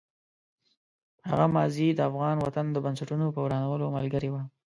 هغه ماضي د افغان وطن د بنسټونو په ورانولو ملګرې وه.